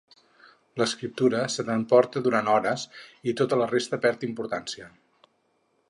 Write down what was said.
L'escriptura se t'emporta durant hores i tota la resta perd importància.